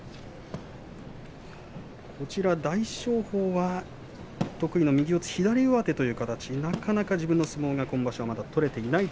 大翔鵬は得意の右四つ左上手という形になかなか自分の相撲が今場所まだ取れていない。